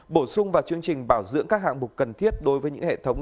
bổ sung vào chương trình bảo dưỡng các hạng mục cần thiết đối với những hệ thống